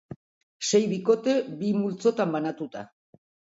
Sei bikote bi multzotan banatuta.